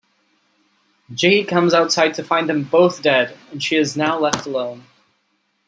J comes outside to find them both dead, and she is now left alone.